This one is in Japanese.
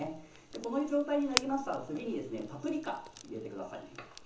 この状態になりましたら次にパプリカ入れてください。